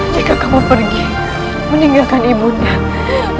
jika kamu pergi meninggalkan ibu undang